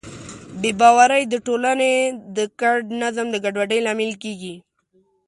بې باورۍ د ټولنې د ګډ نظم د ګډوډۍ لامل کېږي.